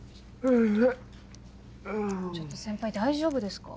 ちょっと先輩大丈夫ですか？